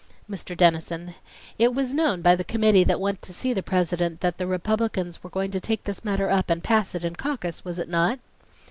MR. DENNISON : It was known by the committee that went to see the President that the Republicans were going to take this matter up and pass it in caucus, was it not?